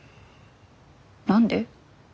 何で？